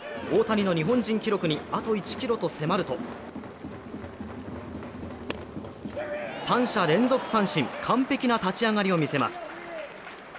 大谷の日本人記録にあと１キロと迫ると３者連続三振、完璧な立ち上がりを見せます。